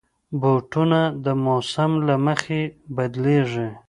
بوټونه د موسم له مخې بدلېږي.